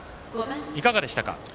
いかがでしたか？